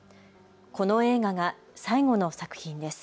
この映画が最後の作品です。